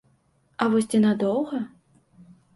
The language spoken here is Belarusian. А вось ці надоўга?